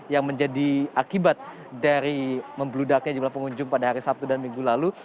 yang menjadi akibat dari membeludaknya jumlah pengunjung pada hari sabtu dan minggu lalu